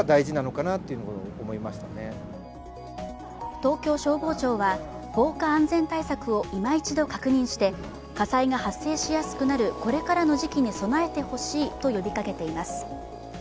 東京消防庁は防火安全対策をいま一度確認していま一度確認して火災が発生しやすくなるこれからの時期に備えてほしいと呼びかけています。